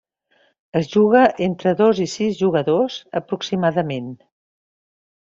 Es juga entre dos i sis jugadors, aproximadament.